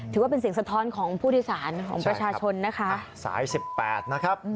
ถือว่าเป็นเสียงสะท้อนของผู้โดยสารของประชาชนนะคะสายสิบแปดนะครับ